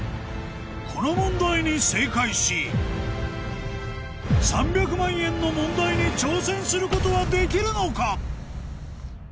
この問題に正解し３００万円の問題に挑戦することはできるのか？